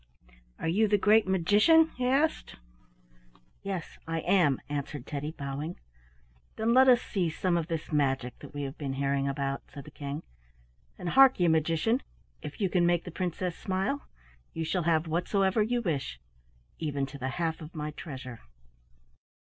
"Are you the great magician?" he asked. "Yes, I am," answered Teddy, bowing. "Then let us see some of this magic that we have been hearing about," said the King; "and harkye, Magician, if you can make the Princess smile you shall have whatsoever you wish, even to the half of my treasure."